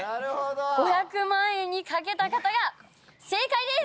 ５００万円に賭けた方が正解です！